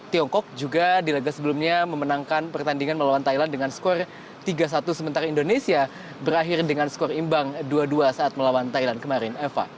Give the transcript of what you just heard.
tiongkok juga di laga sebelumnya memenangkan pertandingan melawan thailand dengan skor tiga satu sementara indonesia berakhir dengan skor imbang dua dua saat melawan thailand kemarin eva